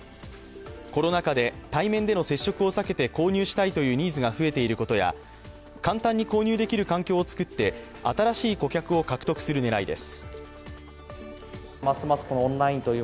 コロナ禍で対面での接触を避けて購入したいというニーズが増えていることや、簡単に購入できる環境を作って新しい顧客を獲得する狙いです。